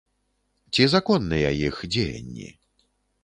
Ці законныя іх дзеянні?